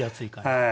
はい。